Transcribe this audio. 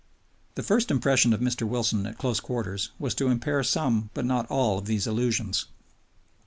The first impression of Mr. Wilson at close quarters was to impair some but not all of these illusions.